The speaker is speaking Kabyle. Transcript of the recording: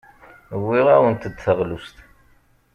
Wwiɣ-awent-d taɣlust.